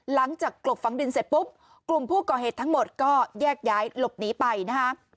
หลังจากกลบฝังดินเสร็จปุ๊บกลุ่มผู้ก่อเหตุทั้งหมดก็แยกย้ายหลบหนีไปนะฮะ